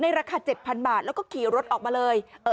ในราคาเจ็ดพันบาทแล้วก็ขี่รถออกมาเลยเอ่อ